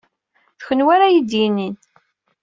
D kenwi ara iyi-d-yinin.